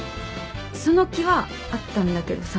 その気はあったんだけどさ